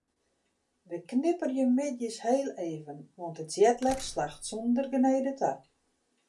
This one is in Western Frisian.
Wy knipperje middeis hiel even want de jetlag slacht sonder genede ta.